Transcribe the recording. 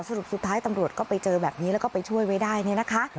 สรุปสุดท้ายตำรวจก็ไปเจอแบบนี้แล้วก็ไปช่วยไว้ได้เนี่ยนะคะ